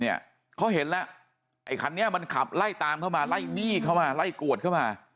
เขาเห็นแล้วไอ้คันนี้มันขับไล่ตามเข้ามาไล่หนี้เข้ามาไล่กวดเข้ามา